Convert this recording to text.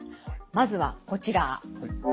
まずはこちら。